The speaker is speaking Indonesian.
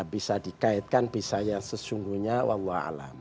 bisa dikaitkan bisa yang sesungguhnya wabuwa'alam